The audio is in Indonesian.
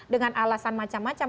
dengan alasan macam macam